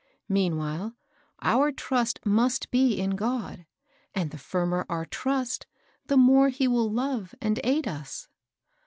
Meanwhile, our trust must be in GU)d ; and the firmer our trust, the more he will love and aid us."